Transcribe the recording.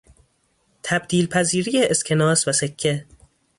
تبدیل پذیری اسکناس و سکه